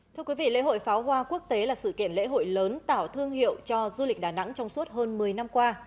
thưa quý vị lễ hội pháo hoa quốc tế là sự kiện lễ hội lớn tạo thương hiệu cho du lịch đà nẵng trong suốt hơn một mươi năm qua